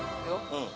うん。